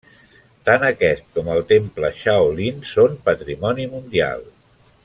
Tant aquest com el temple Shaolin són Patrimoni Mundial.